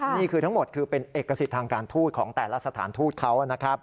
นี่คือทั้งหมดคือเป็นเอกสิทธิ์ทางการทูตของแต่ละสถานทูตเขานะครับ